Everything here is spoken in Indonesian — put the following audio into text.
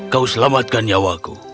kau menyelamatkan nyawaku